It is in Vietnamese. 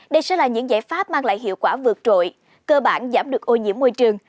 đây sẽ là những giải pháp mang lại hiệu quả vượt trội cơ bản giảm được ô nhiễm môi trường